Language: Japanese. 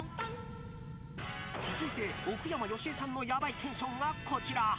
［続いて奥山佳恵さんのヤバいテンションがこちら］